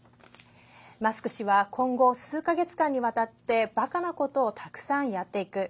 マスク氏は今後、数か月間にわたってバカなことをたくさんやっていく。